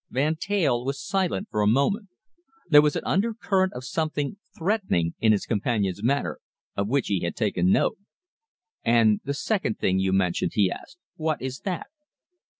Van Teyl was silent for a moment. There was an undercurrent of something threatening in his companion's manner, of which he had taken note. "And the second thing you mentioned?" he asked. "What is that?"